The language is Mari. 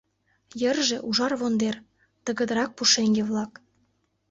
Йырже — ужар вондер, тыгыдырак пушеҥге-влак.